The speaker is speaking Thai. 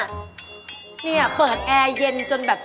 เนี่ยเปิดแอร์เย็นจนแบบ